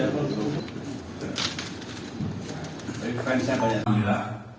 kepala komandan di sini komandan di sini